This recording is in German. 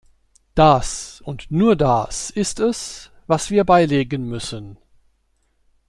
Das und nur das ist es, was wir beilegen müssen.